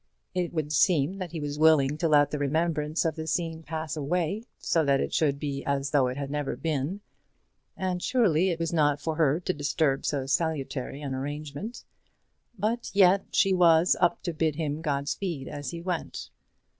It would seem that he was willing to let the remembrance of the scene pass away, so that it should be as though it had never been; and surely it was not for her to disturb so salutary an arrangement! But yet she was up to bid him Godspeed as he went.